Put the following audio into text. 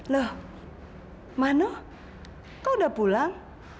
loh mano kau udah pulang